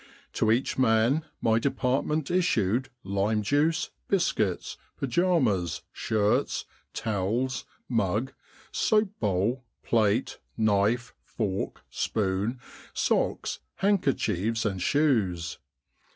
To each man my department issued lime juice, biscuits, pyjamas, shirts, towels, mug, soap bowl, plate, knife, fork, spoon, socks, handkerchiefs, and shoes.